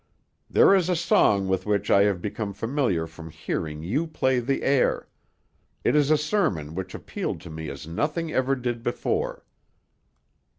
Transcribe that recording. There is a song with which I have become familiar from hearing you play the air; it is a sermon which appealed to me as nothing ever did before.